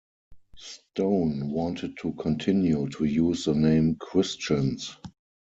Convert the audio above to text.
Stone wanted to continue to use the name Christians.